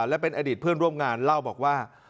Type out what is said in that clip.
และเป็นอดีตเพื่อนร่วมงานเล่าบอกว่า